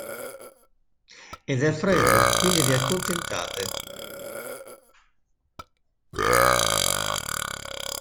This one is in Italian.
Ed è freddo, quindi vi accontentate.